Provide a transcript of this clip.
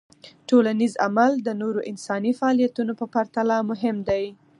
ټولنیز عمل د نورو انساني فعالیتونو په پرتله مهم دی.